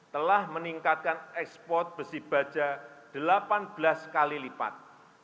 telah meningkatkan ekspor besi baja delapan belas kali lipat